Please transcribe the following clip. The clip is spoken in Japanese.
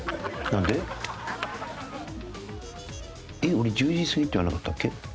俺１０時過ぎって言わなかったっけ。